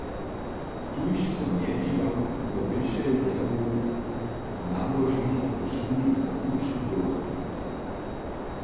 Tuž so njedźiwam, zo běše jemu nabožina w šuli na puću była.